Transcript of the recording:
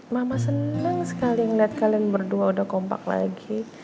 mama senang sekali ngeliat kalian berdua udah kompak lagi